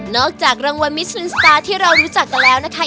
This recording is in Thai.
จากรางวัลมิชลินสตาร์ที่เรารู้จักกันแล้วนะคะ